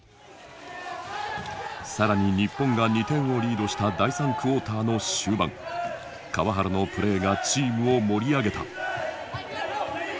更に日本が２点をリードした第３クォーターの終盤川原のプレーがチームを盛り上げた。